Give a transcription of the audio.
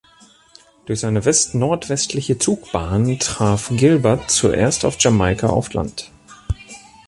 Durch seine west-nordwestliche Zugbahn traf Gilbert zuerst auf Jamaika auf Land.